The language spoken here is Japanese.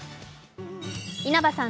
稲葉さん